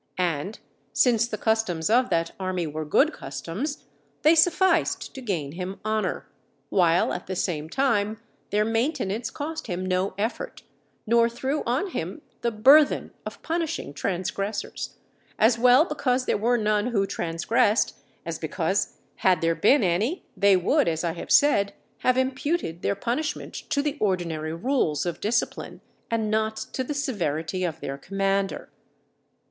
And, since the customs of that army were good customs, they sufficed to gain him honour, while at the same time their maintenance cost him no effort, nor threw on him the burthen of punishing transgressors; as well because there were none who trangressed, as because had there been any, they would, as I have said, have imputed their punishment to the ordinary rules of discipline, and not to the severity of their commander.